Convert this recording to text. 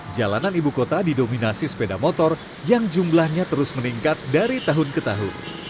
jalanan ibu kota didominasi sepeda motor yang jumlahnya terus meningkat dari tahun ke tahun